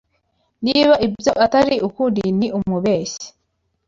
Niba ibyo atari ukuri, ni umubeshyi.